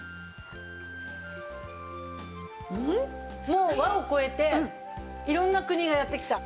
もう和を超えて色んな国がやって来た。